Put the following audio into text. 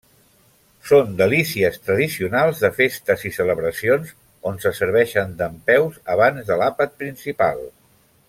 Són delícies tradicionals de festes i celebracions on se serveixen dempeus abans de l'àpat principal.